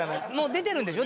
出てるんでしょ？